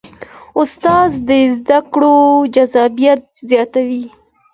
استاد د زده کړو جذابیت زیاتوي.